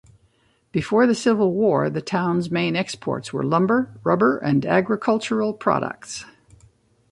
Before the civil war, the town's main exports were lumber, rubber, and agricultural products.